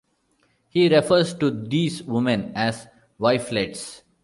He refers to these women as "wifelets".